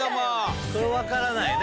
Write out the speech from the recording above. これ分からないね。